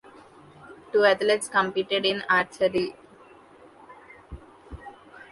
Two athletes competed in archery.